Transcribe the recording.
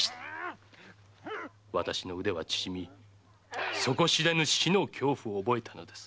私の腕は縮み底知れぬ死の恐怖を覚えたのです。